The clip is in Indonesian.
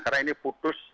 karena ini putus